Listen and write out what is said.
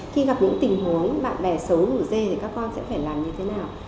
khi gặp những tình huống bạn bè xấu ngủ dê thì các con sẽ phải làm như thế nào